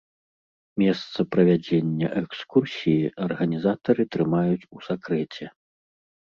Месца правядзення экскурсіі арганізатары трымаюць у сакрэце.